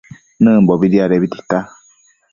Nëmbobi diadebi tita